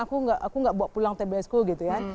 aku tidak bawa pulang tbs ku gitu ya